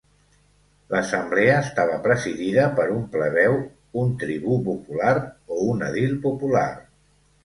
L'Assemblea estava presidida per un plebeu, un tribú popular o un edil popular.